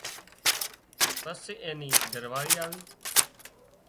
پسي اين نِي گھر واۯي آوي